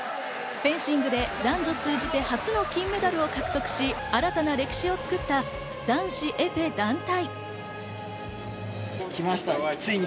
フェンシングで男女通じて初の金メダルを獲得し、新たな歴史を作った男子エペ団体。